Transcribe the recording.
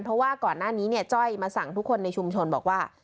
เพราะว่าก่อนหน้านี้เนี่ยจ้อยมาสั่งทุกคนในชุมชนบอกว่า